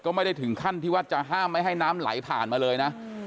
ก็ไม่ได้ถึงขั้นที่ว่าจะห้ามไม่ให้น้ำไหลผ่านมาเลยนะ